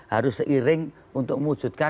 harus seiring untuk mewujudkan